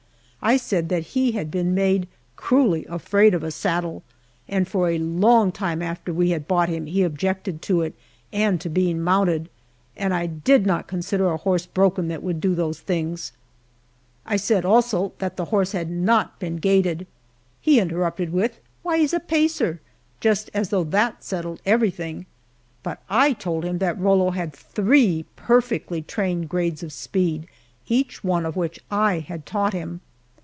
I said that he had been made cruelly afraid of a saddle, and for a long time after we had bought him, he objected to it and to being mounted, and I did not consider a horse broken that would do those things. I said also, that the horse had not been gaited. He interrupted with, "Why, he's a pacer" just as though that settled everything; but I told him that Rollo had three perfectly trained grades of speed, each one of which I had taught him.